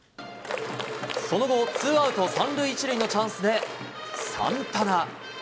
その後、ツーアウト３塁１塁のチャンスで、サンタナ。